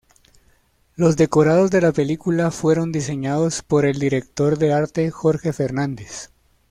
Los decorados de la película fueron diseñados por el director de arte Jorge Fernández.